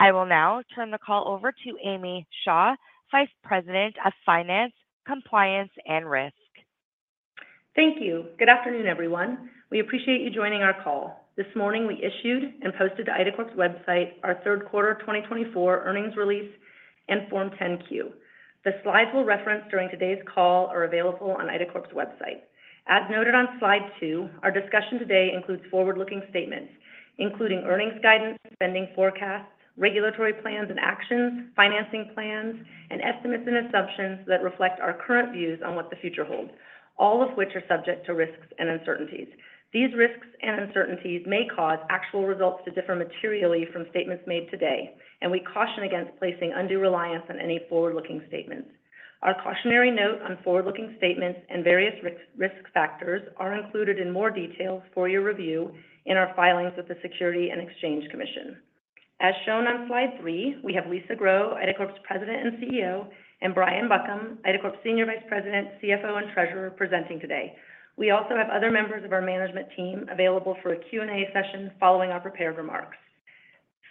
I will now turn the call over to Amy Shaw, Vice President of Finance, Compliance, and Risk. Thank you. Good afternoon, everyone. We appreciate you joining our call. This morning, we issued and posted to IDACORP's website our third quarter 2024 earnings release and Form 10-Q. The slides we'll reference during today's call are available on IDACORP's website. As noted on slide two, our discussion today includes forward-looking statements, including earnings guidance, spending forecasts, regulatory plans and actions, financing plans, and estimates and assumptions that reflect our current views on what the future holds, all of which are subject to risks and uncertainties. These risks and uncertainties may cause actual results to differ materially from statements made today, and we caution against placing undue reliance on any forward-looking statements. Our cautionary note on forward-looking statements and various risk factors is included in more detail for your review in our filings with the Securities and Exchange Commission. As shown on Slide three, we have Lisa Grow, IDACORP's President and CEO, and Brian Buckham, IDACORP's Senior Vice President, CFO, and Treasurer presenting today. We also have other members of our management team available for a Q&A session following our prepared remarks.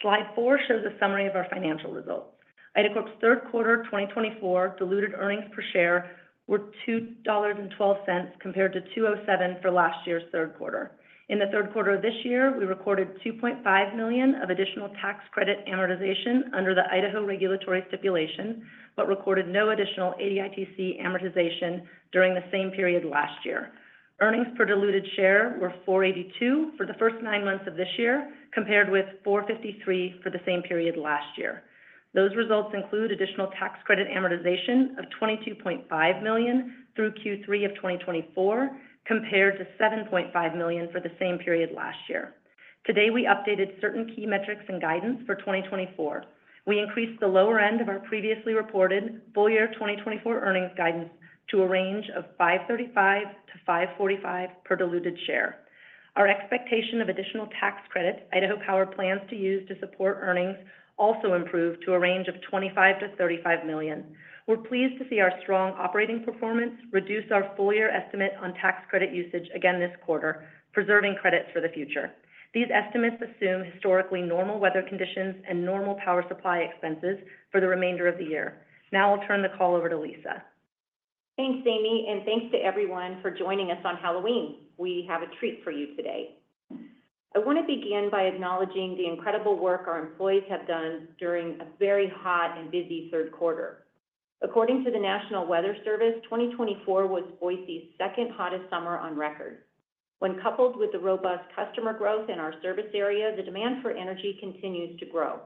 Slide four shows a summary of our financial results. IDACORP's third quarter 2024 diluted earnings per share were $2.12 compared to $2.07 for last year's third quarter. In the third quarter of this year, we recorded $2.5 million of additional tax credit amortization under the Idaho regulatory stipulation, but recorded no additional ADITC amortization during the same period last year. Earnings per diluted share were $4.82 for the first nine months of this year, compared with $4.53 for the same period last year. Those results include additional tax credit amortization of $22.5 million through Q3 of 2024, compared to $7.5 million for the same period last year. Today, we updated certain key metrics and guidance for 2024. We increased the lower end of our previously reported full year 2024 earnings guidance to a range of $5.35-$5.45 per diluted share. Our expectation of additional tax credits Idaho Power plans to use to support earnings also improved to a range of $25 million-$35 million. We're pleased to see our strong operating performance reduce our full year estimate on tax credit usage again this quarter, preserving credits for the future. These estimates assume historically normal weather conditions and normal power supply expenses for the remainder of the year. Now I'll turn the call over to Lisa. Thanks, Amy, and thanks to everyone for joining us on Halloween. We have a treat for you today. I want to begin by acknowledging the incredible work our employees have done during a very hot and busy third quarter. According to the National Weather Service, 2024 was Boise's second hottest summer on record. When coupled with the robust customer growth in our service area, the demand for energy continues to grow.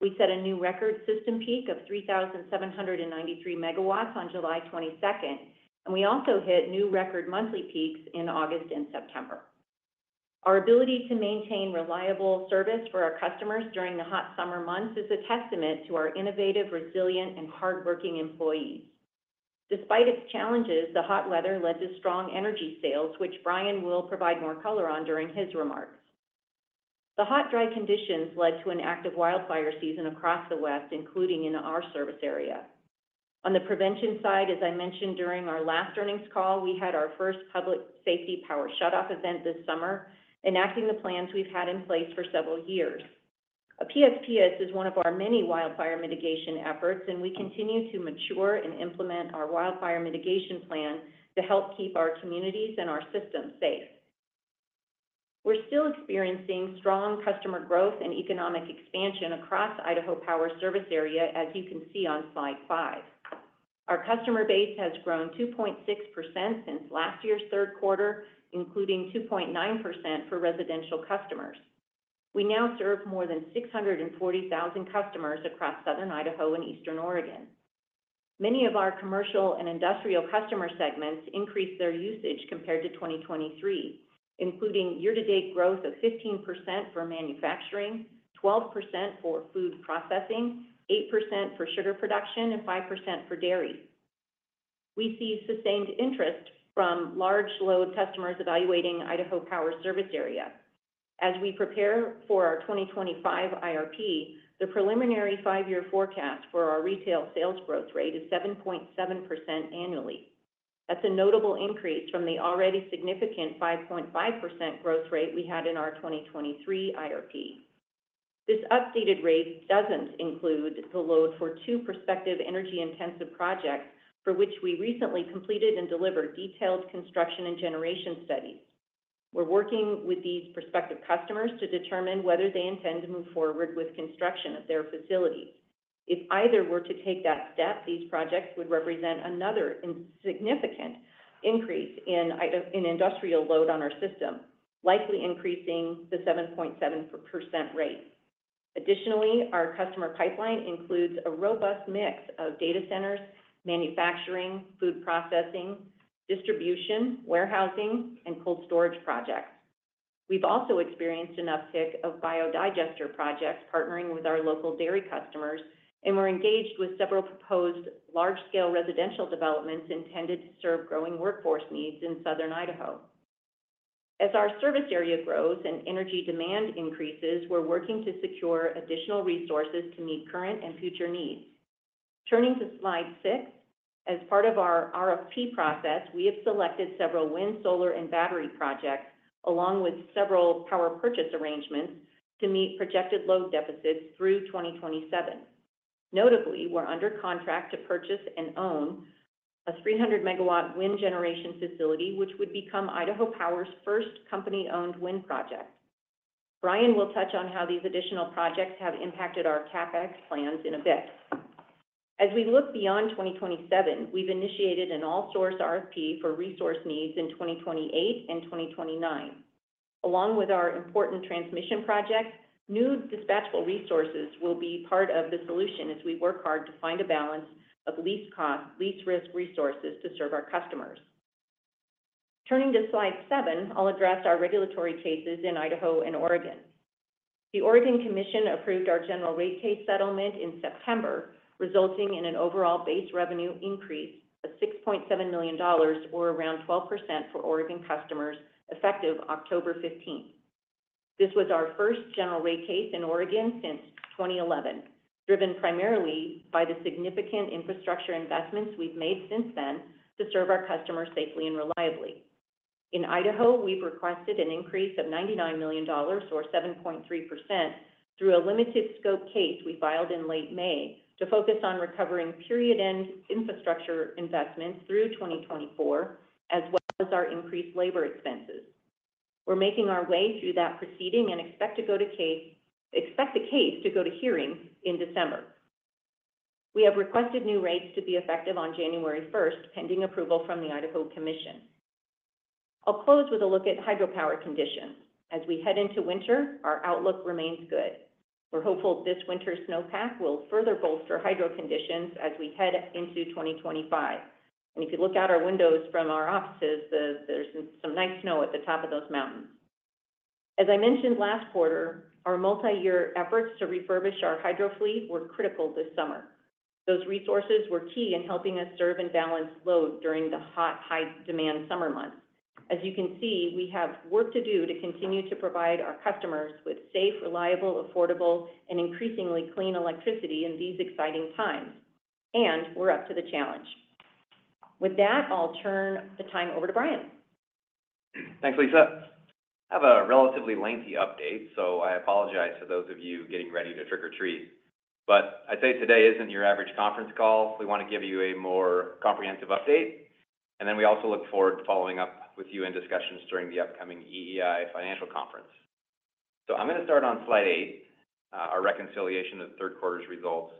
We set a new record system peak of 3,793 megawatts on July 22nd, and we also hit new record monthly peaks in August and September. Our ability to maintain reliable service for our customers during the hot summer months is a testament to our innovative, resilient, and hardworking employees. Despite its challenges, the hot weather led to strong energy sales, which Brian will provide more color on during his remarks. The hot, dry conditions led to an active wildfire season across the West, including in our service area. On the prevention side, as I mentioned during our last earnings call, we had our first public safety power shutoff event this summer, enacting the plans we've had in place for several years. PSPS is one of our many wildfire mitigation efforts, and we continue to mature and implement our wildfire mitigation plan to help keep our communities and our systems safe. We're still experiencing strong customer growth and economic expansion across Idaho Power's service area, as you can see on slide five. Our customer base has grown 2.6% since last year's third quarter, including 2.9% for residential customers. We now serve more than 640,000 customers across southern Idaho and eastern Oregon. Many of our commercial and industrial customer segments increased their usage compared to 2023, including year-to-date growth of 15% for manufacturing, 12% for food processing, 8% for sugar production, and 5% for dairy. We see sustained interest from large load customers evaluating Idaho Power's service area. As we prepare for our 2025 IRP, the preliminary five-year forecast for our retail sales growth rate is 7.7% annually. That's a notable increase from the already significant 5.5% growth rate we had in our 2023 IRP. This updated rate doesn't include the load for two prospective energy-intensive projects for which we recently completed and delivered detailed construction and generation studies. We're working with these prospective customers to determine whether they intend to move forward with construction of their facilities. If either were to take that step, these projects would represent another significant increase in industrial load on our system, likely increasing the 7.7% rate. Additionally, our customer pipeline includes a robust mix of data centers, manufacturing, food processing, distribution, warehousing, and cold storage projects. We've also experienced an uptick of biodigester projects partnering with our local dairy customers, and we're engaged with several proposed large-scale residential developments intended to serve growing workforce needs in southern Idaho. As our service area grows and energy demand increases, we're working to secure additional resources to meet current and future needs. Turning to slide six, as part of our RFP process, we have selected several wind, solar, and battery projects, along with several power purchase arrangements to meet projected load deficits through 2027. Notably, we're under contract to purchase and own a 300-megawatt wind generation facility, which would become Idaho Power's first company-owned wind project. Brian will touch on how these additional projects have impacted our CapEx plans in a bit. As we look beyond 2027, we've initiated an all-source RFP for resource needs in 2028 and 2029. Along with our important transmission projects, new dispatchable resources will be part of the solution as we work hard to find a balance of least cost, least risk resources to serve our customers. Turning to slide seven, I'll address our regulatory cases in Idaho and Oregon. The Oregon Commission approved our general rate case settlement in September, resulting in an overall base revenue increase of $6.7 million, or around 12% for Oregon customers, effective October 15th. This was our first general rate case in Oregon since 2011, driven primarily by the significant infrastructure investments we've made since then to serve our customers safely and reliably. In Idaho, we've requested an increase of $99 million, or 7.3%, through a limited-scope case we filed in late May to focus on recovering period-end infrastructure investments through 2024, as well as our increased labor expenses. We're making our way through that proceeding and expect the case to go to hearing in December. We have requested new rates to be effective on January 1st, pending approval from the Idaho Commission. I'll close with a look at hydropower conditions. As we head into winter, our outlook remains good. We're hopeful this winter snowpack will further bolster hydro conditions as we head into 2025. And if you look at our windows from our offices, there's some nice snow at the top of those mountains. As I mentioned last quarter, our multi-year efforts to refurbish our hydro fleet were critical this summer. Those resources were key in helping us serve and balance load during the hot, high-demand summer months. As you can see, we have work to do to continue to provide our customers with safe, reliable, affordable, and increasingly clean electricity in these exciting times. And we're up to the challenge. With that, I'll turn the time over to Brian. Thanks, Lisa. I have a relatively lengthy update, so I apologize to those of you getting ready to trick or treat, but I'd say today isn't your average conference call. We want to give you a more comprehensive update, and then we also look forward to following up with you in discussions during the upcoming EEI Financial Conference, so I'm going to start on slide eight, our reconciliation of the third quarter's results.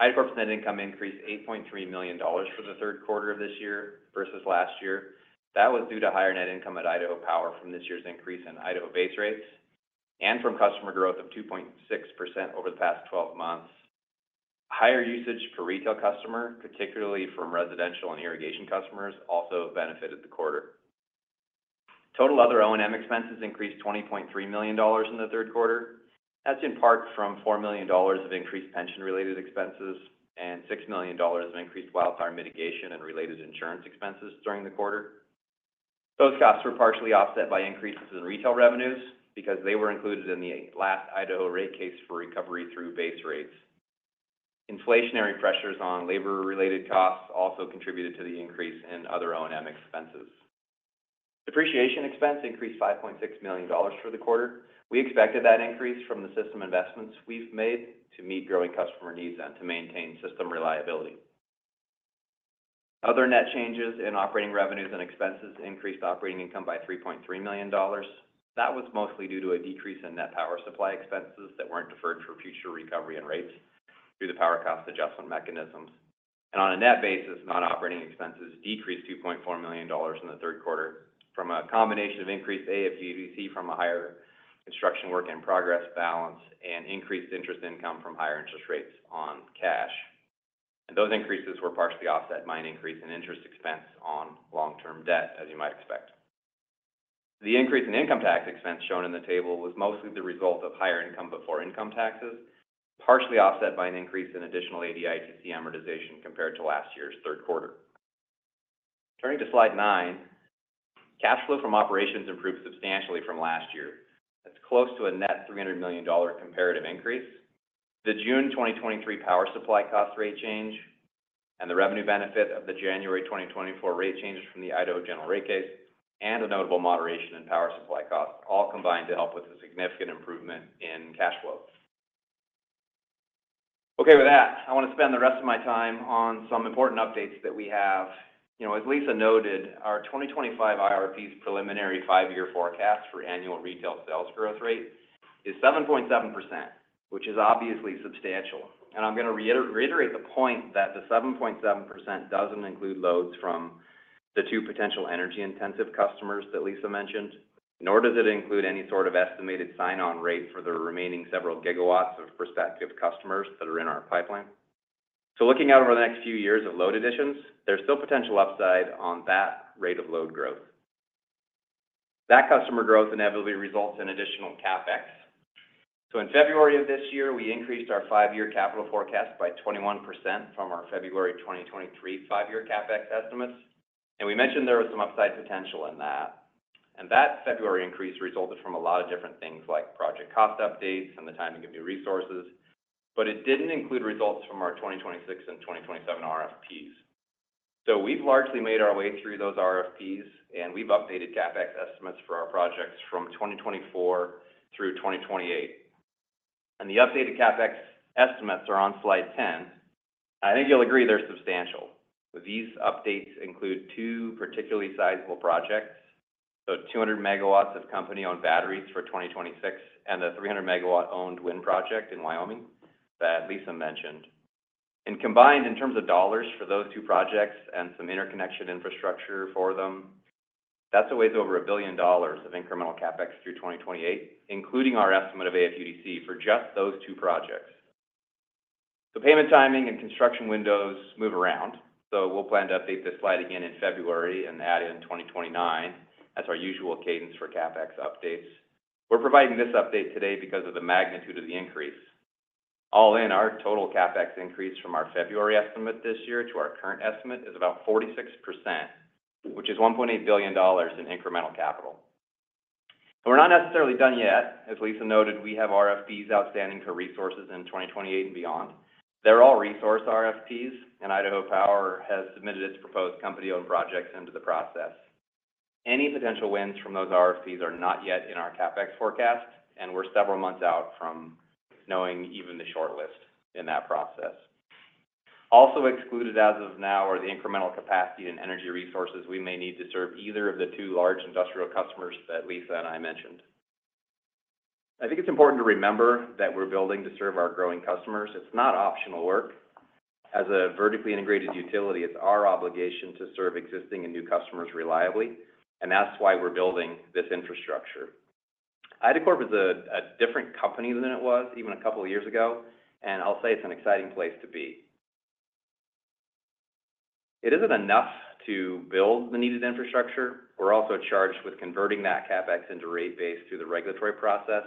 IDACORP's net income increased $8.3 million for the third quarter of this year versus last year. That was due to higher net income at Idaho Power from this year's increase in Idaho base rates and from customer growth of 2.6% over the past 12 months. Higher usage for retail customers, particularly from residential and irrigation customers, also benefited the quarter. Total other O&M expenses increased $20.3 million in the third quarter. That's in part from $4 million of increased pension-related expenses and $6 million of increased wildfire mitigation and related insurance expenses during the quarter. Those costs were partially offset by increases in retail revenues because they were included in the last Idaho rate case for recovery through base rates. Inflationary pressures on labor-related costs also contributed to the increase in other O&M expenses. Depreciation expense increased $5.6 million for the quarter. We expected that increase from the system investments we've made to meet growing customer needs and to maintain system reliability. Other net changes in operating revenues and expenses increased operating income by $3.3 million. That was mostly due to a decrease in net power supply expenses that weren't deferred for future recovery and rates through the power cost adjustment mechanisms. On a net basis, non-operating expenses decreased $2.4 million in the third quarter from a combination of increased AFUDC from a higher construction work in progress balance and increased interest income from higher interest rates on cash. Those increases were partially offset by an increase in interest expense on long-term debt, as you might expect. The increase in income tax expense shown in the table was mostly the result of higher income before income taxes, partially offset by an increase in additional ADITC amortization compared to last year's third quarter. Turning to slide nine, cash flow from operations improved substantially from last year. That's close to a net $300 million comparative increase. The June 2023 power supply cost rate change and the revenue benefit of the January 2024 rate changes from the Idaho general rate case and a notable moderation in power supply costs all combined to help with a significant improvement in cash flow. Okay, with that, I want to spend the rest of my time on some important updates that we have. You know, as Lisa noted, our 2025 IRP's preliminary five-year forecast for annual retail sales growth rate is 7.7%, which is obviously substantial, and I'm going to reiterate the point that the 7.7% doesn't include loads from the two potential energy-intensive customers that Lisa mentioned, nor does it include any sort of estimated sign-on rate for the remaining several gigawatts of prospective customers that are in our pipeline. So looking out over the next few years of load additions, there's still potential upside on that rate of load growth. That customer growth inevitably results in additional CapEx. So in February of this year, we increased our five-year capital forecast by 21% from our February 2023 five-year CapEx estimates. And we mentioned there was some upside potential in that. And that February increase resulted from a lot of different things like project cost updates and the timing of new resources, but it didn't include results from our 2026 and 2027 RFPs. So we've largely made our way through those RFPs, and we've updated CapEx estimates for our projects from 2024 through 2028. And the updated CapEx estimates are on slide 10. I think you'll agree they're substantial. These updates include two particularly sizable projects, the 200 megawatts of company-owned batteries for 2026 and the 300-megawatt-owned wind project in Wyoming that Lisa mentioned, and combined, in terms of dollars for those two projects and some interconnection infrastructure for them, that's a ways over $1 billion of incremental CapEx through 2028, including our estimate of AFUDC for just those two projects. The payment timing and construction windows move around, so we'll plan to update this slide again in February and add in 2029. That's our usual cadence for CapEx updates. We're providing this update today because of the magnitude of the increase. All in, our total CapEx increase from our February estimate this year to our current estimate is about 46%, which is $1.8 billion in incremental capital. We're not necessarily done yet. As Lisa noted, we have RFPs outstanding for resources in 2028 and beyond. They're all resource RFPs, and Idaho Power has submitted its proposed company-owned projects into the process. Any potential wins from those RFPs are not yet in our CapEx forecast, and we're several months out from knowing even the shortlist in that process. Also excluded as of now are the incremental capacity and energy resources we may need to serve either of the two large industrial customers that Lisa and I mentioned. I think it's important to remember that we're building to serve our growing customers. It's not optional work. As a vertically integrated utility, it's our obligation to serve existing and new customers reliably, and that's why we're building this infrastructure. IDACORP is a different company than it was even a couple of years ago, and I'll say it's an exciting place to be. It isn't enough to build the needed infrastructure. We're also charged with converting that CapEx into rate base through the regulatory process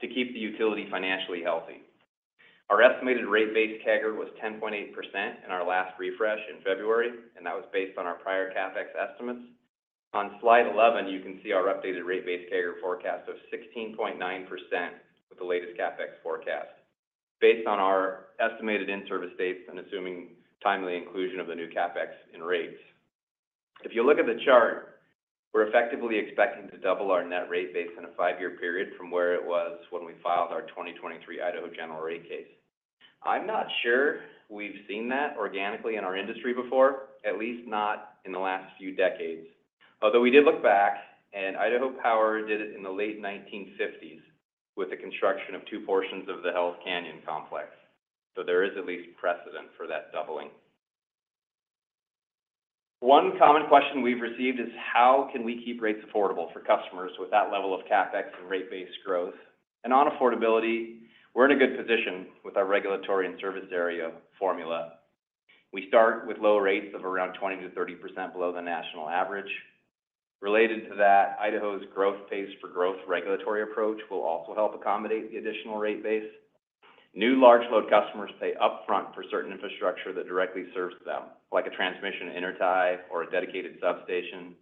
to keep the utility financially healthy. Our estimated rate base CAGR was 10.8% in our last refresh in February, and that was based on our prior CapEx estimates. On slide 11, you can see our updated rate base CAGR forecast of 16.9% with the latest CapEx forecast, based on our estimated in-service dates and assuming timely inclusion of the new CapEx in rates. If you look at the chart, we're effectively expecting to double our net rate base in a five-year period from where it was when we filed our 2023 Idaho General Rate Case. I'm not sure we've seen that organically in our industry before, at least not in the last few decades. Although we did look back, and Idaho Power did it in the late 1950s with the construction of two portions of the Hells Canyon Complex. So there is at least precedent for that doubling. One common question we've received is, how can we keep rates affordable for customers with that level of CapEx and rate base growth? And on affordability, we're in a good position with our regulatory and service area formula. We start with low rates of around 20%-30% below the national average. Related to that, Idaho's growth pays for growth regulatory approach will also help accommodate the additional rate base. New large load customers pay upfront for certain infrastructure that directly serves them, like a transmission intertie or a dedicated substation.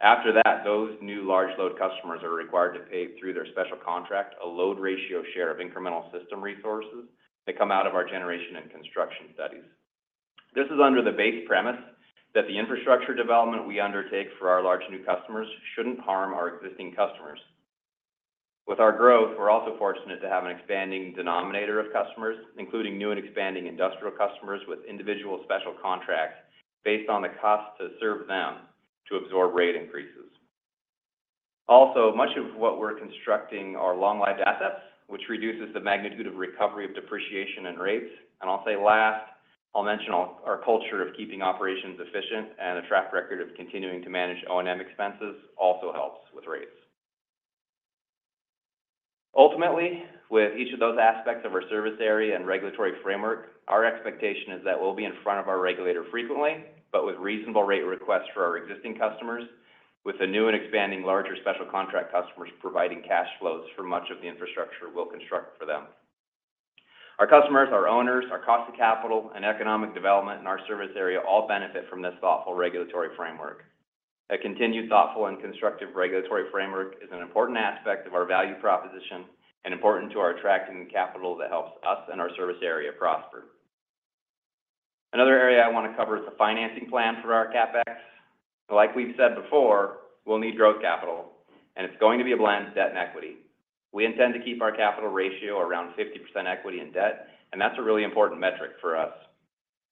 After that, those new large load customers are required to pay through their special contract a load ratio share of incremental system resources that come out of our generation and construction studies. This is under the base premise that the infrastructure development we undertake for our large new customers shouldn't harm our existing customers. With our growth, we're also fortunate to have an expanding denominator of customers, including new and expanding industrial customers with individual special contracts based on the cost to serve them to absorb rate increases. Also, much of what we're constructing are long-lived assets, which reduces the magnitude of recovery of depreciation and rates. And I'll say last, I'll mention our culture of keeping operations efficient and a track record of continuing to manage O&M expenses also helps with rates. Ultimately, with each of those aspects of our service area and regulatory framework, our expectation is that we'll be in front of our regulator frequently, but with reasonable rate requests for our existing customers, with the new and expanding larger special contract customers providing cash flows for much of the infrastructure we'll construct for them. Our customers, our owners, our cost of capital, and economic development in our service area all benefit from this thoughtful regulatory framework. A continued thoughtful and constructive regulatory framework is an important aspect of our value proposition and important to our attracting capital that helps us and our service area prosper. Another area I want to cover is the financing plan for our CapEx. Like we've said before, we'll need growth capital, and it's going to be a blend of debt and equity. We intend to keep our capital ratio around 50% equity and debt, and that's a really important metric for us.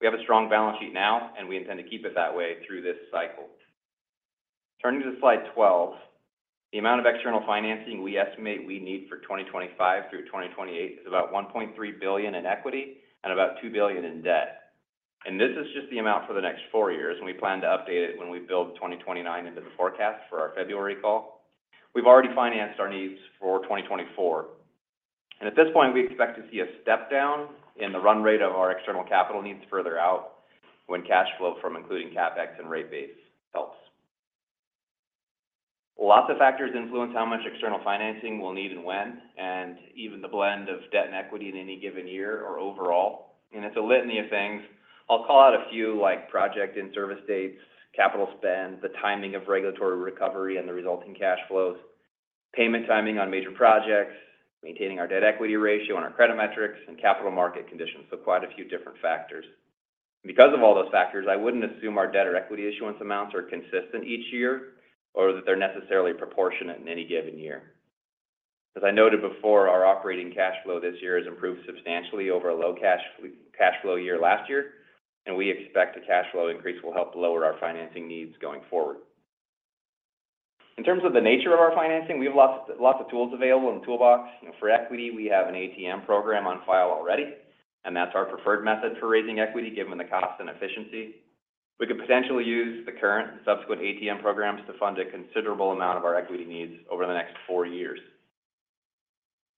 We have a strong balance sheet now, and we intend to keep it that way through this cycle. Turning to slide 12, the amount of external financing we estimate we need for 2025 through 2028 is about $1.3 billion in equity and about $2 billion in debt, and this is just the amount for the next four years, and we plan to update it when we build 2029 into the forecast for our February call. We've already financed our needs for 2024, and at this point, we expect to see a step down in the run rate of our external capital needs further out when cash flow from including CapEx and rate base helps. Lots of factors influence how much external financing we'll need and when, and even the blend of debt and equity in any given year or overall. And it's a litany of things. I'll call out a few like project and service dates, capital spend, the timing of regulatory recovery and the resulting cash flows, payment timing on major projects, maintaining our debt equity ratio on our credit metrics, and capital market conditions. So quite a few different factors. Because of all those factors, I wouldn't assume our debt or equity issuance amounts are consistent each year or that they're necessarily proportionate in any given year. As I noted before, our operating cash flow this year has improved substantially over a low cash flow year last year, and we expect a cash flow increase will help lower our financing needs going forward. In terms of the nature of our financing, we have lots of tools available in the toolbox. For equity, we have an ATM program on file already, and that's our preferred method for raising equity given the cost and efficiency. We could potentially use the current and subsequent ATM programs to fund a considerable amount of our equity needs over the next four years.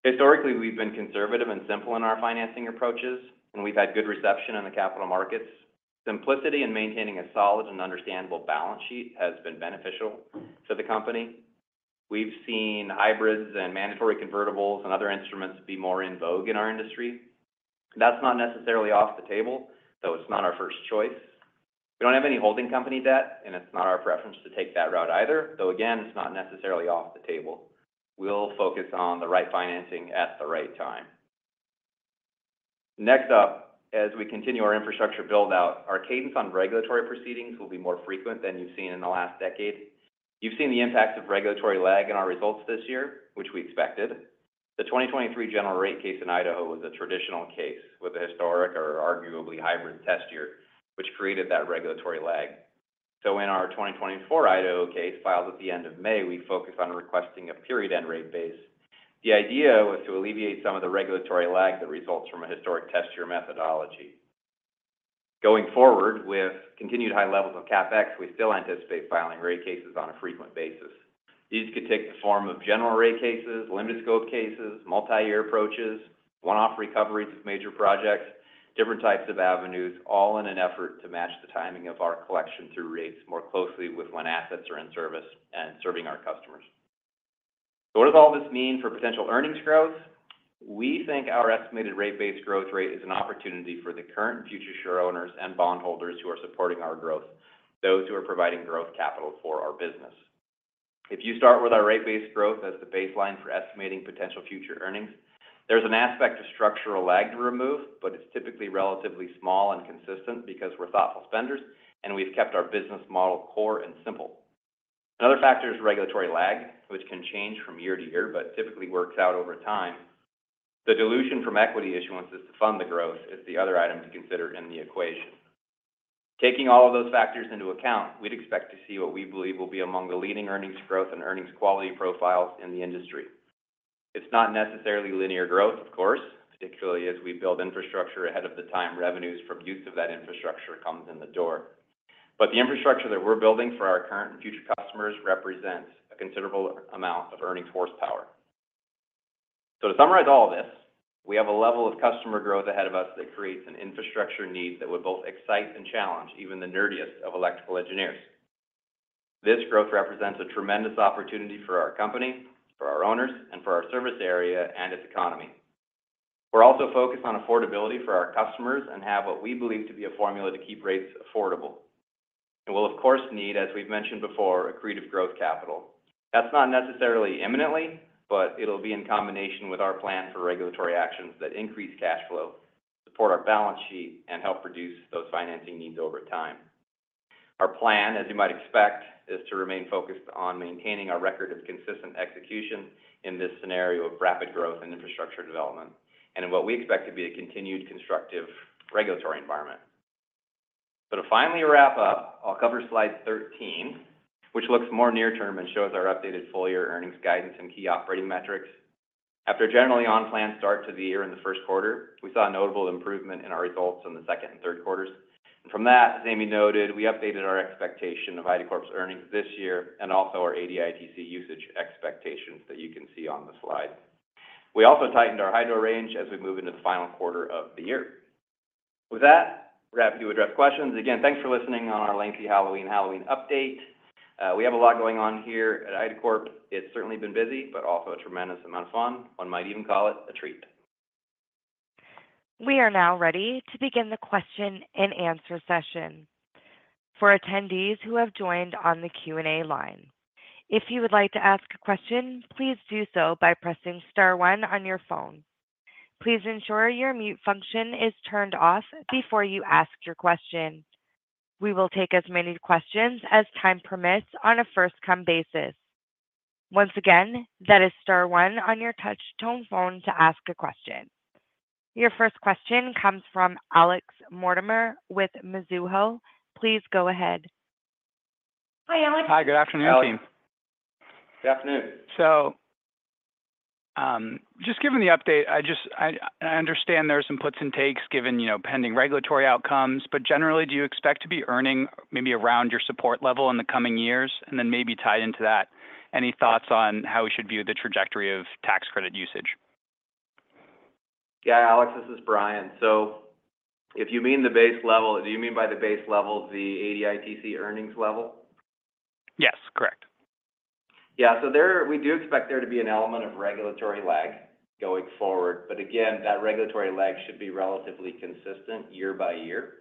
Historically, we've been conservative and simple in our financing approaches, and we've had good reception in the capital markets. Simplicity in maintaining a solid and understandable balance sheet has been beneficial to the company. We've seen hybrids and mandatory convertibles and other instruments be more in vogue in our industry. That's not necessarily off the table, though it's not our first choice. We don't have any holding company debt, and it's not our preference to take that route either, though again, it's not necessarily off the table. We'll focus on the right financing at the right time. Next up, as we continue our infrastructure build-out, our cadence on regulatory proceedings will be more frequent than you've seen in the last decade. You've seen the impact of regulatory lag in our results this year, which we expected. The 2023 general rate case in Idaho was a traditional case with a historic or arguably hybrid test year, which created that regulatory lag. So in our 2024 Idaho case filed at the end of May, we focused on requesting a period-end rate base. The idea was to alleviate some of the regulatory lag that results from a historic test year methodology. Going forward with continued high levels of CapEx, we still anticipate filing rate cases on a frequent basis. These could take the form of general rate cases, limited scope cases, multi-year approaches, one-off recoveries of major projects, different types of avenues, all in an effort to match the timing of our collection through rates more closely with when assets are in service and serving our customers. So what does all this mean for potential earnings growth? We think our estimated rate base growth rate is an opportunity for the current and future share owners and bondholders who are supporting our growth, those who are providing growth capital for our business. If you start with our rate base growth as the baseline for estimating potential future earnings, there's an aspect of structural lag to remove, but it's typically relatively small and consistent because we're thoughtful spenders and we've kept our business model core and simple. Another factor is regulatory lag, which can change from year to year, but typically works out over time. The dilution from equity issuance to fund the growth is the other item to consider in the equation. Taking all of those factors into account, we'd expect to see what we believe will be among the leading earnings growth and earnings quality profiles in the industry. It's not necessarily linear growth, of course, particularly as we build infrastructure ahead of the time revenues from use of that infrastructure come in the door. But the infrastructure that we're building for our current and future customers represents a considerable amount of earnings horsepower. So to summarize all of this, we have a level of customer growth ahead of us that creates an infrastructure need that would both excite and challenge even the nerdiest of electrical engineers. This growth represents a tremendous opportunity for our company, for our owners, and for our service area and its economy. We're also focused on affordability for our customers and have what we believe to be a formula to keep rates affordable. And we'll, of course, need, as we've mentioned before, accretive growth capital. That's not necessarily imminently, but it'll be in combination with our plan for regulatory actions that increase cash flow, support our balance sheet, and help reduce those financing needs over time. Our plan, as you might expect, is to remain focused on maintaining our record of consistent execution in this scenario of rapid growth and infrastructure development, and in what we expect to be a continued constructive regulatory environment, so to finally wrap up, I'll cover slide 13, which looks more near-term and shows our updated full-year earnings guidance and key operating metrics. After a generally on-plan start to the year in the first quarter, we saw a notable improvement in our results in the second and third quarters, and from that, as Amy noted, we updated our expectation of IDACORP's earnings this year and also our ADITC usage expectations that you can see on the slide. We also tightened our hydro range as we move into the final quarter of the year. With that, we're happy to address questions. Again, thanks for listening on our lengthy Halloween update. We have a lot going on here at IDACORP. It's certainly been busy, but also a tremendous amount of fun. One might even call it a treat. We are now ready to begin the question and answer session for attendees who have joined on the Q&A line. If you would like to ask a question, please do so by pressing Star 1 on your phone. Please ensure your mute function is turned off before you ask your question. We will take as many questions as time permits on a first-come basis. Once again, that is Star 1 on your touch tone phone to ask a question. Your first question comes from Alex Mortimer with Mizuho. Please go ahead. Hi, Alex. Hi. Good afternoon, team. Hello. Good afternoon. So just given the update, I understand there are some puts and takes given pending regulatory outcomes, but generally, do you expect to be earning maybe around your support level in the coming years? And then maybe tied into that, any thoughts on how we should view the trajectory of tax credit usage? Yeah, Alex, this is Brian. So if you mean the base level, do you mean by the base level the ADITC earnings level? Yes, correct. Yeah, so we do expect there to be an element of regulatory lag going forward. But again, that regulatory lag should be relatively consistent year by year.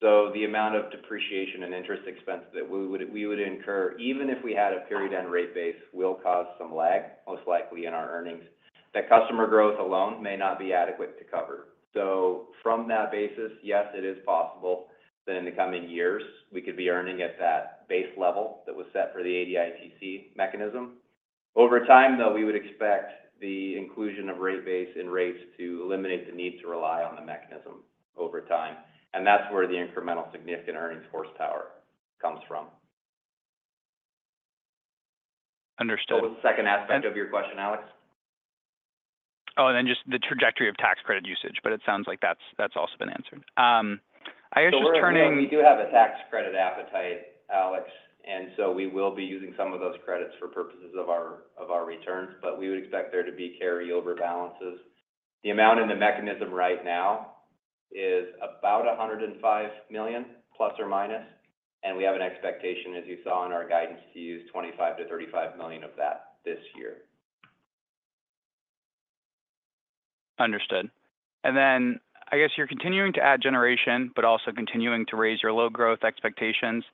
So the amount of depreciation and interest expense that we would incur, even if we had a period-end rate base, will cause some lag, most likely in our earnings. That customer growth alone may not be adequate to cover. So from that basis, yes, it is possible that in the coming years, we could be earning at that base level that was set for the ADITC mechanism. Over time, though, we would expect the inclusion of rate base in rates to eliminate the need to rely on the mechanism over time. And that's where the incremental significant earnings horsepower comes from. Understood. What was the second aspect of your question, Alex? Oh, and then just the trajectory of tax credit usage, but it sounds like that's also been answered. So we do have a tax credit appetite, Alex, and so we will be using some of those credits for purposes of our returns, but we would expect there to be carryover balances. The amount in the mechanism right now is about $105 million, plus or minus, and we have an expectation, as you saw in our guidance, to use $25 million-$35 million of that this year. Understood, and then I guess you're continuing to add generation, but also continuing to raise your low growth expectations.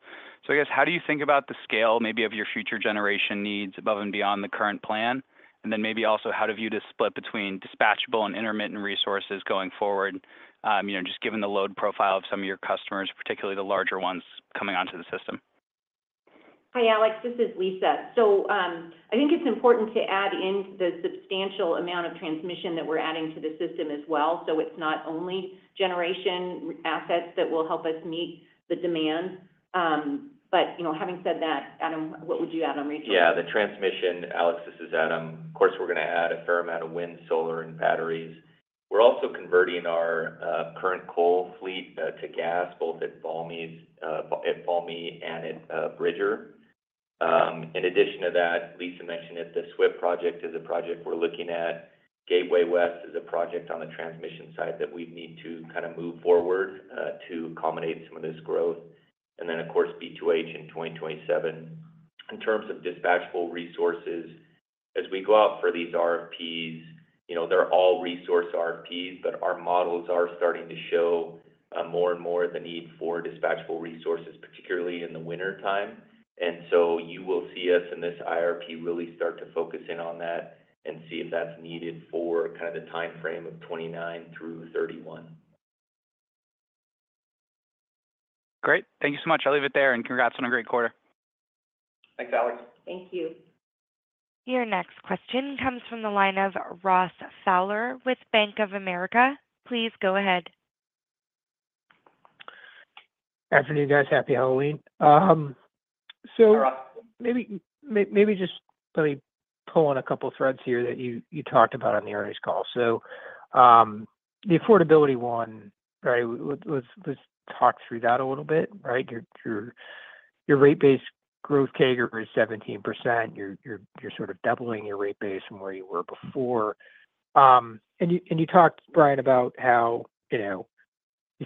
So I guess how do you think about the scale maybe of your future generation needs above and beyond the current plan? And then maybe also how do you split between dispatchable and intermittent resources going forward, just given the load profile of some of your customers, particularly the larger ones coming onto the system? Hi, Alex. This is Lisa, so I think it's important to add in the substantial amount of transmission that we're adding to the system as well. So it's not only generation assets that will help us meet the demand. But having said that, Adam, what would you add on retail? Yeah, the transmission, Alex, this is Adam. Of course, we're going to add a fair amount of wind, solar, and batteries. We're also converting our current coal fleet to gas, both at Valmy and at Bridger. In addition to that, Lisa mentioned that the SWIP project is a project we're looking at. Gateway West is a project on the transmission side that we need to kind of move forward to accommodate some of this growth. And then, of course, B2H in 2027. In terms of dispatchable resources, as we go out for these RFPs, they're all resource RFPs, but our models are starting to show more and more the need for dispatchable resources, particularly in the wintertime. And so you will see us in this IRP really start to focus in on that and see if that's needed for kind of the timeframe of 2029 through 2031. Great. Thank you so much. I'll leave it there and congrats on a great quarter. Thanks, Alex. Thank you. Your next question comes from the line of Ross Fowler with Bank of America. Please go ahead. Good afternoon, guys. Happy Halloween. So maybe just let me pull on a couple of threads here that you talked about on the earnings call. So the affordability one, right? Let's talk through that a little bit, right? Your rate base growth CAGR is 17%. You're sort of doubling your rate base from where you were before. You talked, Brian, about how you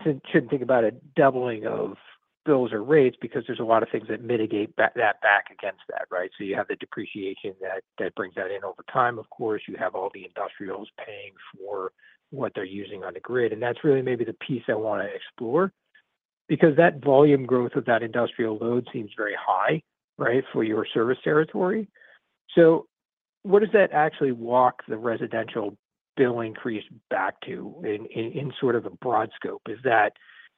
shouldn't think about a doubling of bills or rates because there's a lot of things that mitigate that back against that, right? So you have the depreciation that brings that in over time. Of course, you have all the industrials paying for what they're using on the grid. And that's really maybe the piece I want to explore because that volume growth of that industrial load seems very high, right, for your service territory. So what does that actually walk the residential bill increase back to in sort of a broad scope? Is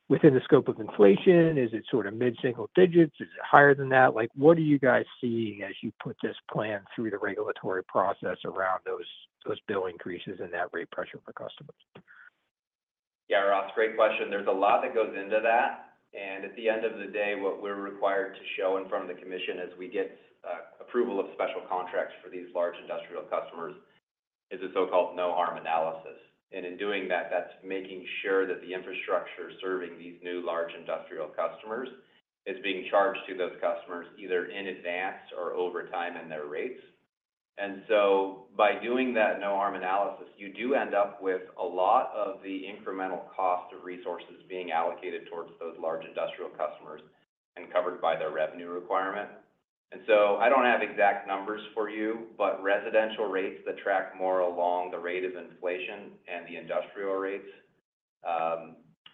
that within the scope of inflation? Is it sort of mid-single digits? Is it higher than that? What are you guys seeing as you put this plan through the regulatory process around those bill increases and that rate pressure for customers? Yeah, Ross, great question. There's a lot that goes into that. And at the end of the day, what we're required to show in front of the commission as we get approval of special contracts for these large industrial customers is a so-called no-harm analysis. And in doing that, that's making sure that the infrastructure serving these new large industrial customers is being charged to those customers either in advance or over time in their rates. And so by doing that no-harm analysis, you do end up with a lot of the incremental cost of resources being allocated towards those large industrial customers and covered by their revenue requirement. I don't have exact numbers for you, but residential rates that track more along the rate of inflation and the industrial rates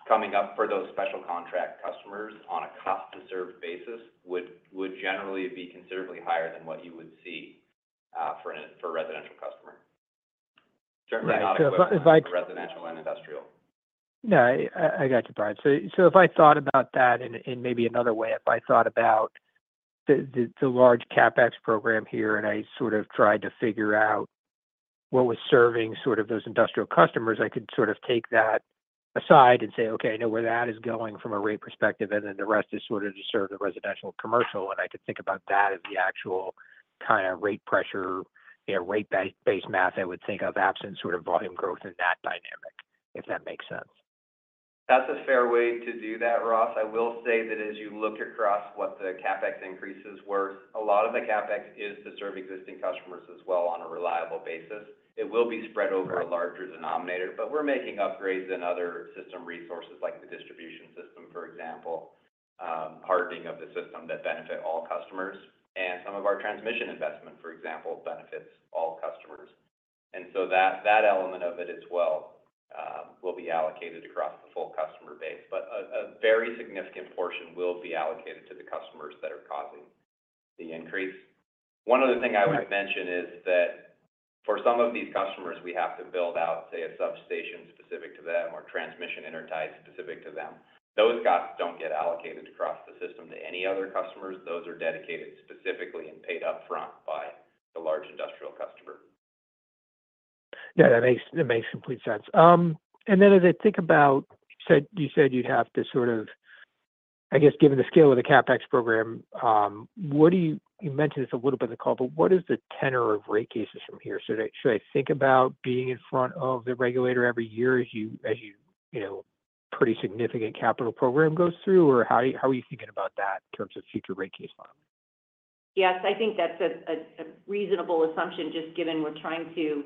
coming up for those special contract customers on a cost-to-serve basis would generally be considerably higher than what you would see for a residential customer. Certainly not equivalent to residential and industrial. No, I got you, Brian. If I thought about that in maybe another way, if I thought about the large CapEx program here and I sort of tried to figure out what was serving sort of those industrial customers, I could sort of take that aside and say, "Okay, I know where that is going from a rate perspective," and then the rest is sort of to serve the residential commercial. I could think about that as the actual kind of rate pressure, rate base math I would think of absent sort of volume growth in that dynamic, if that makes sense. That's a fair way to do that, Ross. I will say that as you look across what the CapEx increases were, a lot of the CapEx is to serve existing customers as well on a reliable basis. It will be spread over a larger denominator, but we're making upgrades in other system resources like the distribution system, for example, hardening of the system that benefit all customers, and some of our transmission investment, for example, benefits all customers, and so that element of it as well will be allocated across the full customer base, but a very significant portion will be allocated to the customers that are causing the increase. One other thing I would mention is that for some of these customers, we have to build out, say, a substation specific to them or transmission intertie specific to them. Those costs don't get allocated across the system to any other customers. Those are dedicated specifically and paid upfront by the large industrial customer. Yeah, that makes complete sense, and then as I think about, you said you'd have to sort of, I guess, given the scale of the CapEx program, you mentioned this a little bit in the call, but what is the tenor of rate cases from here? Should I think about being in front of the regulator every year as your pretty significant capital program goes through? Or how are you thinking about that in terms of future rate case filing? Yes, I think that's a reasonable assumption just given we're trying to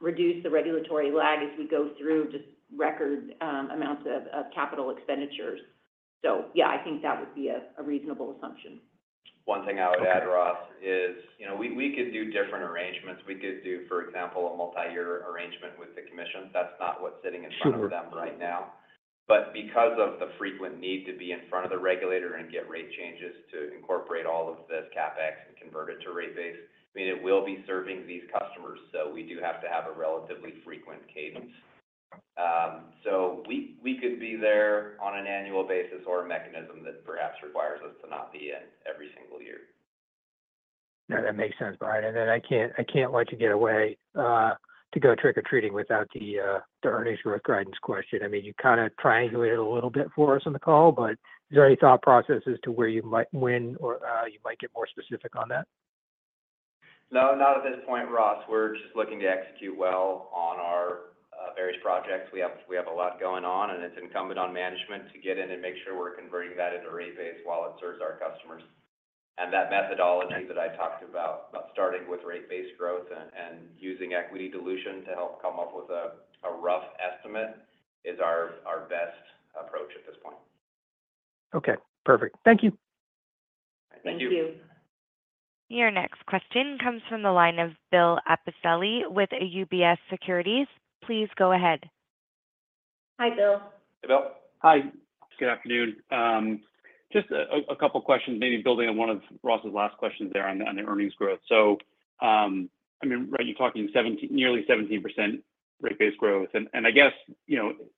reduce the regulatory lag as we go through just record amounts of capital expenditures. So yeah, I think that would be a reasonable assumption. One thing I would add, Ross, is we could do different arrangements. We could do, for example, a multi-year arrangement with the commission. That's not what's sitting in front of them right now. But because of the frequent need to be in front of the regulator and get rate changes to incorporate all of this CapEx and convert it to rate base, I mean, it will be serving these customers. So we do have to have a relatively frequent cadence. So we could be there on an annual basis or a mechanism that perhaps requires us to not be in every single year. No, that makes sense, Brian. And then I can't let you get away to go trick-or-treating without the earnings growth guidance question. I mean, you kind of triangulated a little bit for us in the call, but is there any thought process as to where you might win or you might get more specific on that? No, not at this point, Ross. We're just looking to execute well on our various projects. We have a lot going on, and it's incumbent on management to get in and make sure we're converting that into rate base while it serves our customers. And that methodology that I talked about, starting with rate base growth and using equity dilution to help come up with a rough estimate, is our best approach at this point. Okay. Perfect. Thank you. Thank you. Thank you. Your next question comes from the line of Bill Appicelli with UBS Securities. Please go ahead. Hi, Bill. Hey, Bill. Hi. Good afternoon. Just a couple of questions, maybe building on one of Ross's last questions there on the earnings growth. So I mean, right, you're talking nearly 17% rate base growth. And I guess,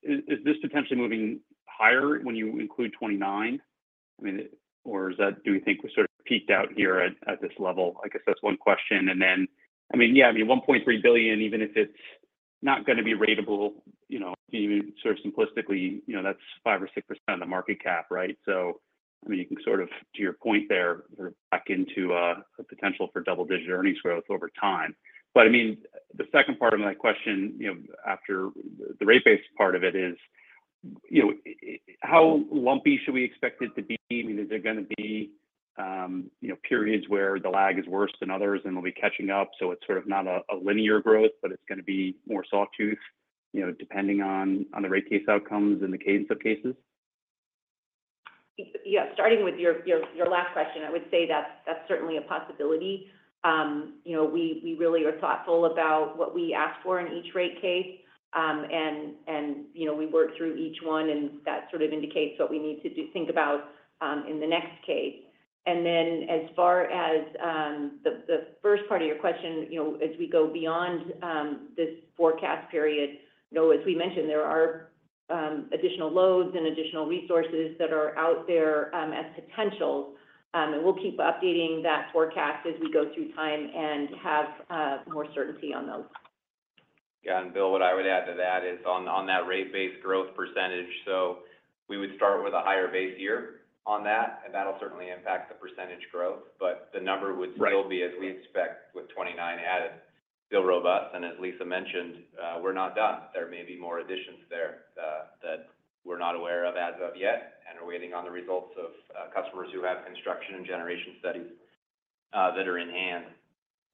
is this potentially moving higher when you include 2029? I mean, or do we think we're sort of peaked out here at this level? I guess that's one question. And then, I mean, yeah, I mean, $1.3 billion, even if it's not going to be ratable, even sort of simplistically, that's 5% or 6% of the market cap, right? So I mean, you can sort of, to your point there, sort of back into a potential for double-digit earnings growth over time. But I mean, the second part of my question after the rate base part of it is, how lumpy should we expect it to be? I mean, is there going to be periods where the lag is worse than others and we'll be catching up? So it's sort of not a linear growth, but it's going to be more sawtooth depending on the rate case outcomes and the cadence of cases? Yeah, starting with your last question, I would say that's certainly a possibility. We really are thoughtful about what we ask for in each rate case. And we work through each one, and that sort of indicates what we need to think about in the next case. And then as far as the first part of your question, as we go beyond this forecast period, as we mentioned, there are additional loads and additional resources that are out there as potentials. And we'll keep updating that forecast as we go through time and have more certainty on those. Yeah. And Bill, what I would add to that is on that rate base growth percentage, so we would start with a higher base year on that, and that'll certainly impact the percentage growth. But the number would still be, as we expect, with 2029 added. Still robust. And as Lisa mentioned, we're not done. There may be more additions there that we're not aware of as of yet and are waiting on the results of customers who have construction and generation studies that are in hand.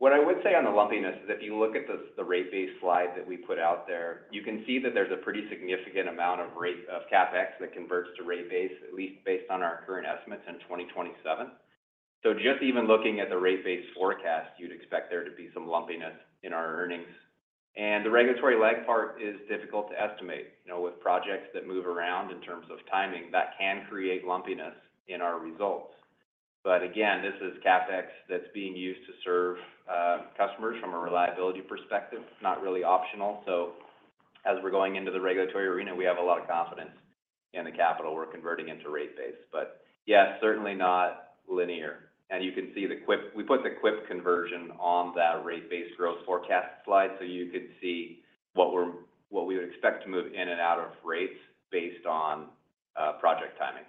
What I would say on the lumpiness is if you look at the rate base slide that we put out there, you can see that there's a pretty significant amount of CapEx that converts to rate base, at least based on our current estimates in 2027. So just even looking at the rate base forecast, you'd expect there to be some lumpiness in our earnings. And the regulatory lag part is difficult to estimate. With projects that move around in terms of timing, that can create lumpiness in our results. But again, this is CapEx that's being used to serve customers from a reliability perspective, not really optional. So as we're going into the regulatory arena, we have a lot of confidence in the capital we're converting into rate base. But yeah, certainly not linear. And you can see the CWIP we put the CWIP conversion on that rate base growth forecast slide so you could see what we would expect to move in and out of rate base based on project timing.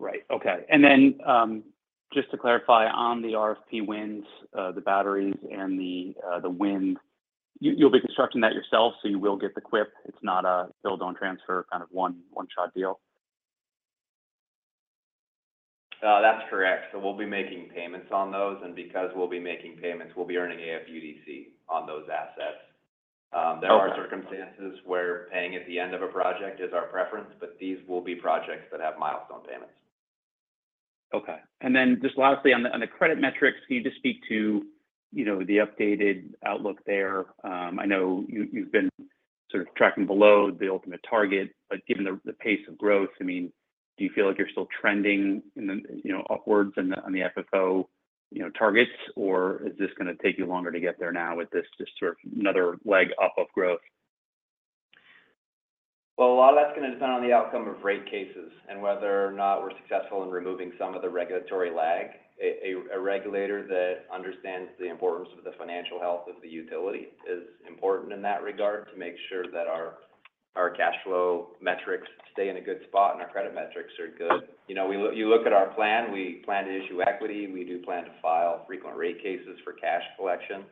Right. Okay. And then just to clarify on the RFP wins, the batteries, and the wind, you'll be constructing that yourself, so you will get the CWIP. It's not a build-on-transfer kind of one-shot deal. That's correct. So we'll be making payments on those. Because we'll be making payments, we'll be earning AFUDC on those assets. There are circumstances where paying at the end of a project is our preference, but these will be projects that have milestone payments. Okay. And then just lastly, on the credit metrics, can you just speak to the updated outlook there? I know you've been sort of tracking below the ultimate target, but given the pace of growth, I mean, do you feel like you're still trending upwards on the FFO targets, or is this going to take you longer to get there now with this just sort of another leg up of growth? A lot of that's going to depend on the outcome of rate cases and whether or not we're successful in removing some of the regulatory lag. A regulator that understands the importance of the financial health of the utility is important in that regard to make sure that our cash flow metrics stay in a good spot and our credit metrics are good. You look at our plan. We plan to issue equity. We do plan to file frequent rate cases for cash collection.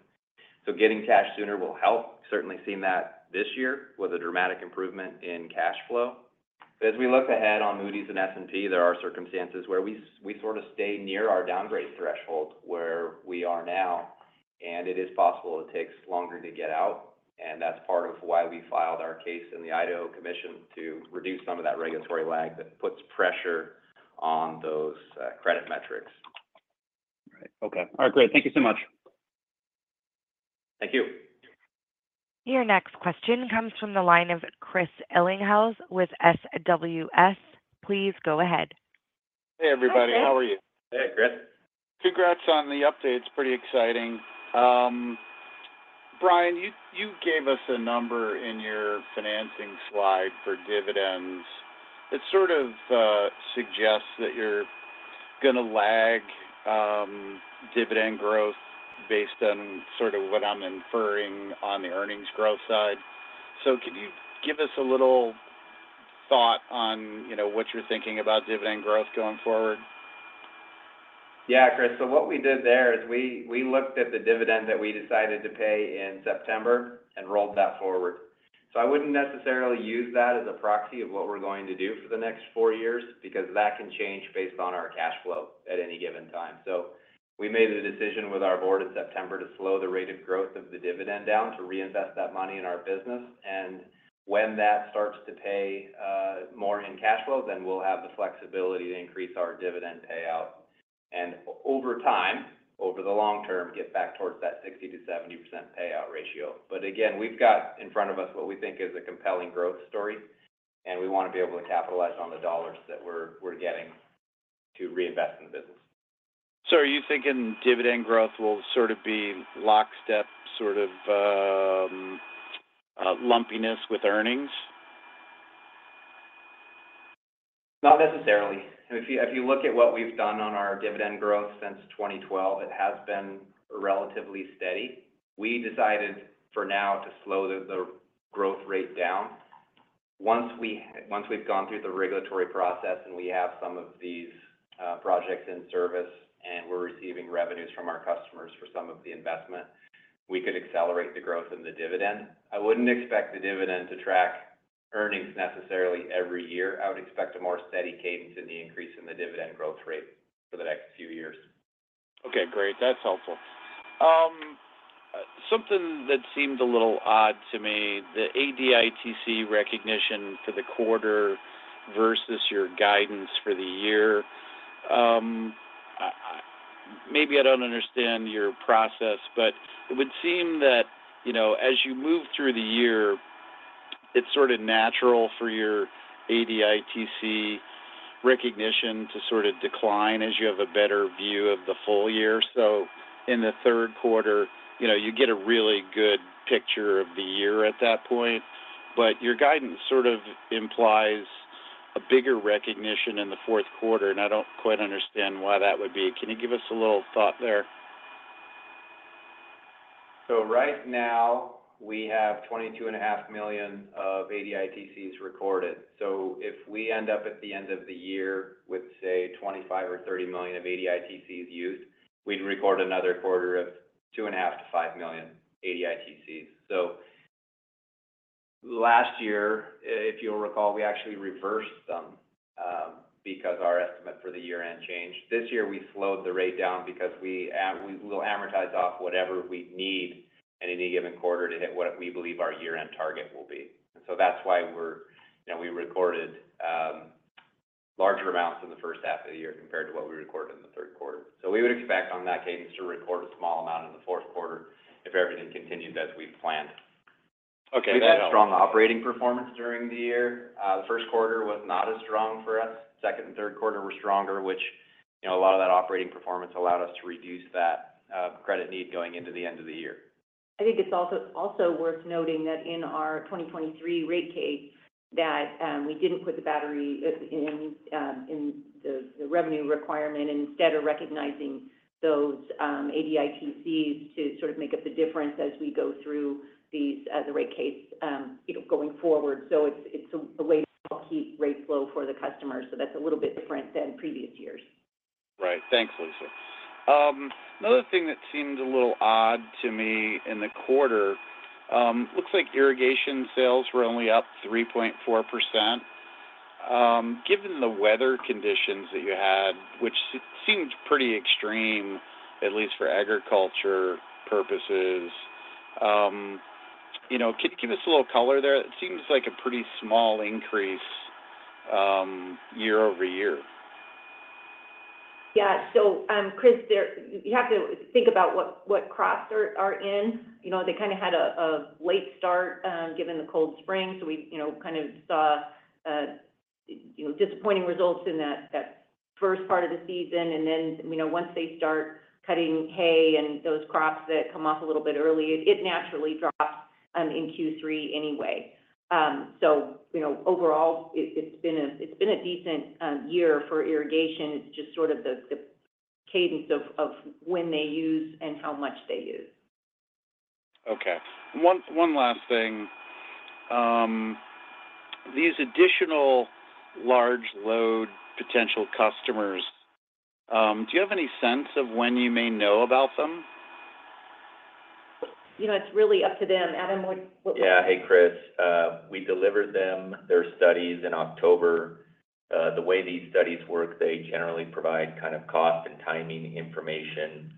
So getting cash sooner will help. Certainly seen that this year with a dramatic improvement in cash flow. As we look ahead on Moody's and S&P, there are circumstances where we sort of stay near our downgrade threshold where we are now, and it is possible it takes longer to get out. And that's part of why we filed our case in the Idaho Commission to reduce some of that regulatory lag that puts pressure on those credit metrics. Right. Okay. All right. Great. Thank you so much. Thank you. Your next question comes from the line of Chris Ellinghaus with SWS. Please go ahead. Hey, everybody. How are you? Hey, Chris. Congrats on the update. It's pretty exciting. Brian, you gave us a number in your financing slide for dividends. It sort of suggests that you're going to lag dividend growth based on sort of what I'm inferring on the earnings growth side. So can you give us a little thought on what you're thinking about dividend growth going forward? Yeah, Chris. So what we did there is we looked at the dividend that we decided to pay in September and rolled that forward. So I wouldn't necessarily use that as a proxy of what we're going to do for the next four years because that can change based on our cash flow at any given time. So we made a decision with our board in September to slow the rate of growth of the dividend down to reinvest that money in our business. And when that starts to pay more in cash flow, then we'll have the flexibility to increase our dividend payout. And over time, over the long term, get back towards that 60%-70% payout ratio. But again, we've got in front of us what we think is a compelling growth story, and we want to be able to capitalize on the dollars that we're getting to reinvest in the business. So are you thinking dividend growth will sort of be lockstep sort of lumpiness with earnings? Not necessarily. If you look at what we've done on our dividend growth since 2012, it has been relatively steady. We decided for now to slow the growth rate down. Once we've gone through the regulatory process and we have some of these projects in service and we're receiving revenues from our customers for some of the investment, we could accelerate the growth in the dividend. I wouldn't expect the dividend to track earnings necessarily every year. I would expect a more steady cadence in the increase in the dividend growth rate for the next few years. Okay. Great. That's helpful. Something that seemed a little odd to me, the ADITC recognition for the quarter versus your guidance for the year. Maybe I don't understand your process, but it would seem that as you move through the year, it's sort of natural for your ADITC recognition to sort of decline as you have a better view of the full year. So in the third quarter, you get a really good picture of the year at that point. Your guidance sort of implies a bigger recognition in the fourth quarter, and I don't quite understand why that would be. Can you give us a little thought there? So right now, we have $22.5 million of ADITCs recorded. So if we end up at the end of the year with, say, $25 million or $30 million of ADITCs used, we'd record another quarter of $2.5 million to $5 million ADITCs. So last year, if you'll recall, we actually reversed them because our estimate for the year-end changed. This year, we slowed the rate down because we will amortize off whatever we need in any given quarter to hit what we believe our year-end target will be. And so that's why we recorded larger amounts in the first half of the year compared to what we recorded in the third quarter. So we would expect on that cadence to record a small amount in the fourth quarter if everything continued as we've planned. Okay. We've had strong operating performance during the year. The first quarter was not as strong for us. Second and third quarters were stronger, which a lot of that operating performance allowed us to reduce that credit need going into the end of the year. I think it's also worth noting that in our 2023 rate case, that we didn't put the battery in the revenue requirement instead of recognizing those ADITCs to sort of make up the difference as we go through the rate case going forward. So it's a way to help keep rates low for the customers. So that's a little bit different than previous years. Right. Thanks, Lisa. Another thing that seemed a little odd to me in the quarter, looks like irrigation sales were only up 3.4%. Given the weather conditions that you had, which seemed pretty extreme, at least for agriculture purposes, can you give us a little color there? It seems like a pretty small increase year over year. Yeah. So Chris, you have to think about what crops are in. They kind of had a late start given the cold spring. So we kind of saw disappointing results in that first part of the season. And then once they start cutting hay and those crops that come off a little bit early, it naturally drops in Q3 anyway. So overall, it's been a decent year for irrigation. It's just sort of the cadence of when they use and how much they use. Okay. One last thing. These additional large load potential customers, do you have any sense of when you may know about them? It's really up to them. Adam, what? Yeah. Hey, Chris. We delivered them their studies in October. The way these studies work, they generally provide kind of cost and timing information.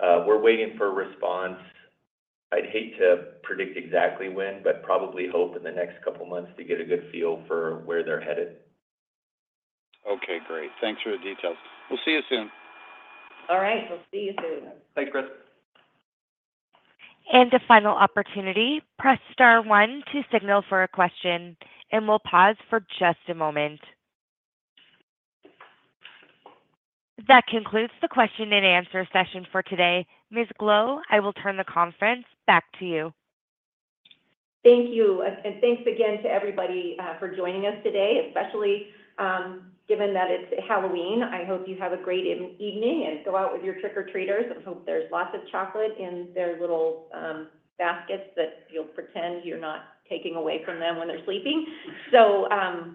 We're waiting for a response. I'd hate to predict exactly when, but probably hope in the next couple of months to get a good feel for where they're headed. Okay. Great. Thanks for the details. We'll see you soon. All right. We'll see you soon. Thanks, Chris. And a final opportunity, press star one to signal for a question, and we'll pause for just a moment. That concludes the question and answer session for today. Ms. Grow, I will turn the conference back to you. Thank you. And thanks again to everybody for joining us today, especially given that it's Halloween. I hope you have a great evening and go out with your trick-or-treaters. I hope there's lots of chocolate in their little baskets that you'll pretend you're not taking away from them when they're sleeping. So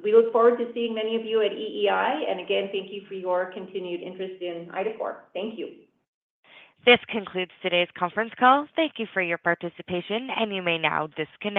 we look forward to seeing many of you at EEI. And again, thank you for your continued interest in IDACORP. Thank you. This concludes today's conference call. Thank you for your participation, and you may now disconnect.